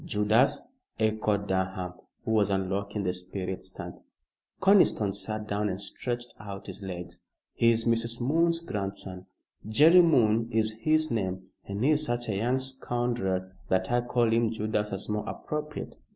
"Judas?" echoed Durham, who was unlocking the spirit stand. Conniston sat down and stretched out his legs. "He's Mrs. Moon's grandson. Jerry Moon is his name but he's such a young scoundrel that I call him Judas as more appropriate.